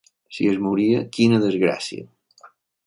Si es moria, quina desgràcia!